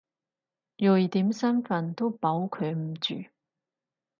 瑞典身份都保佢唔住！